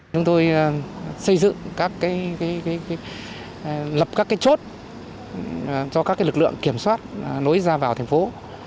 chúng tôi xây dựng lập các cái chốt cho các lực lượng kiểm soát nối ra vào thành phố